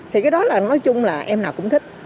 thì cái đó là nói chung là em nào cũng thích